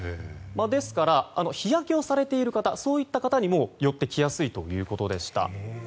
ですから日焼けされている方にも寄ってきやすいということでした。